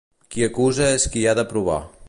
Qui acusa és qui ha de provar.